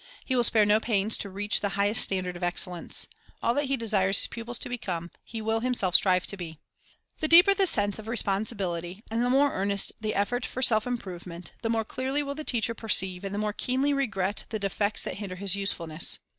He will spare no pains to reach the highest standard of excellence. All that he desires his pupils to become, he will himself strive to be. Responsibility Self Itnpro vem en t The deeper the sense of responsibility, and the more earnest the effort for self improvement, the more clearly will the teacher perceive and the more keenly regret the defects that hinder his usefulness.